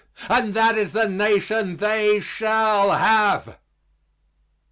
And that is the Nation they shall have.